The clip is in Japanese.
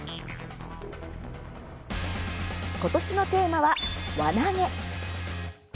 今年のテーマは「輪投げ」。